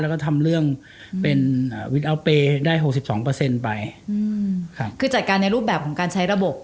แล้วก็ทำเรื่องเป็นวินอัลเปย์ได้หกสิบสองเปอร์เซ็นต์ไปอืมครับคือจัดการในรูปแบบของการใช้ระบบ